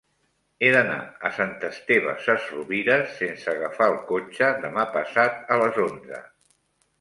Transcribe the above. He d'anar a Sant Esteve Sesrovires sense agafar el cotxe demà passat a les onze.